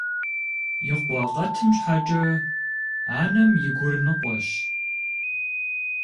И къуэ къэтым щхьэкӀэ анэм и гур ныкъуэщ.